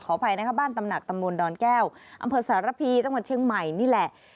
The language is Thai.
อภัยนะคะบ้านตำหนักตำบลดอนแก้วอำเภอสารพีจังหวัดเชียงใหม่นี่แหละ